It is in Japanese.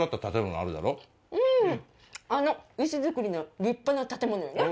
うんあの石造りの立派な建物よね。